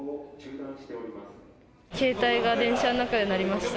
携帯が電車の中で鳴りました。